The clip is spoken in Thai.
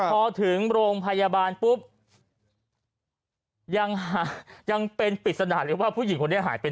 พอถึงโรงพยาบาลปุ๊บยังหายังเป็นปริศนาเลยว่าผู้หญิงคนนี้หายไป